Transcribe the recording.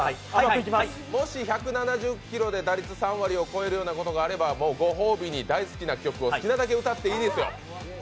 もし１７０キロで打率３割を超えることがあればもうご褒美に大好きな曲を好きなだけ歌っていいですよ。